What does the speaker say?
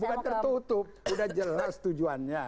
bukan tertutup udah jelas tujuannya